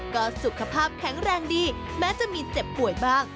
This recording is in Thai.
ก็สุขภาพแข็งแรงดีแม้จะมีเจ็บป่วยบ้าง